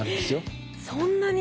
えそんなに。